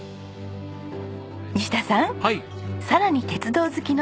西田さん。